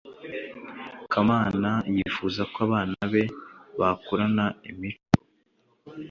kamana yifuza ko abana be bakurana imico